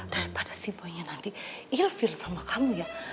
daripada si boynya nanti ilfil sama kamu ya